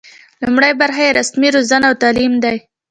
لومړۍ برخه یې رسمي روزنه او تعلیم دی.